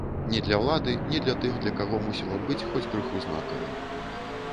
Ні для ўлады, ні для тых, для каго мусіла б быць хоць крыху знакавай.